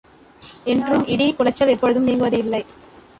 என்றும் இடி குலைச்சல் எப்பொழுதும் நீங்குவது இல்லை.